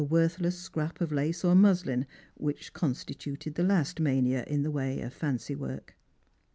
worthless scrap of lace or muslin which constituted the last mania in the way of fancy work.